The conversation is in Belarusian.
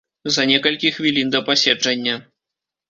За некалькі хвілін да паседжання.